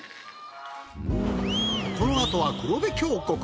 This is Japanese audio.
このあとは黒部峡谷。